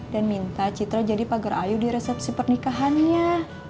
minta citra jadi pagar ayu di resepsi pernikahannya